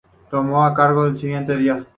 Tomó el cargo el siguiente día.